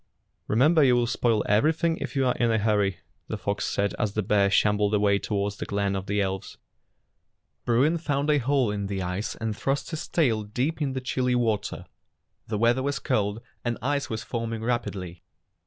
"Remember you will spoil everything if you are in a hurry," the fox said as the bear shambled away toward the glen of the elves. Bruin found a hole in the ice and thrust his tail deep in the chilly water. The weather was cold, and ice was forming rapidly.